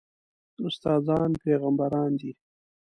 استادان پېغمبران دي